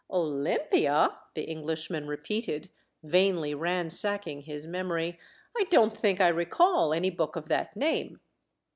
'Olympia?* ' the Englishman repeated, vainly ransacking his memory. "I don't think I recall any book of that name."